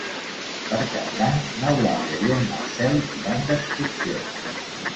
Per Cap d'Any n'Eulàlia i en Marcel iran d'excursió.